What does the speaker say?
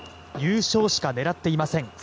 優勝しか狙っていません